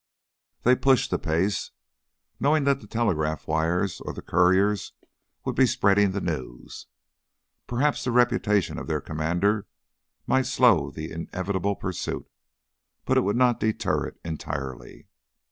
They pushed the pace, knowing that the telegraph wires or the couriers would be spreading the news. Perhaps the reputation of their commander might slow the inevitable pursuit, but it would not deter it entirely.